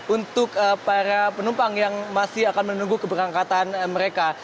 untuk para penumpang yang masih akan menunggu keberangkatan mereka